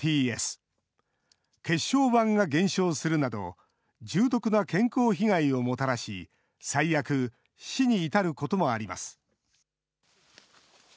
血小板が減少するなど、重篤な健康被害をもたらし、最悪、死に至ることもあります。